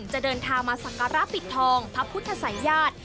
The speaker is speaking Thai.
จะเดินทางมาสักการะปิดทองพระพุทธศัยญาติ